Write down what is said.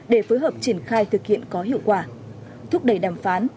để phối hợp triển khai thực hiện có hiệu quả thúc đẩy đàm phán